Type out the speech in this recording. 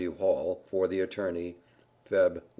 W. HALL, for the Attorney, feb.